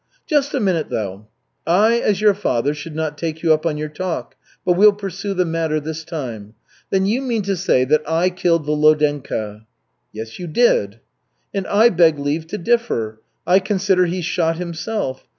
"Just a minute, though. I, as your father, should not take you up on your talk, but we'll pursue the matter this time. Then you mean to say that I killed Volodenka?" "Yes, you did." "And I beg leave to differ. I consider he shot himself.